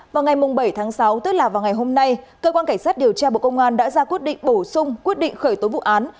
vào ngày bảy tháng sáu tức là vào ngày hôm nay cơ quan cảnh sát điều tra bộ công an đã ra quyết định bổ sung quyết định khởi tố vụ án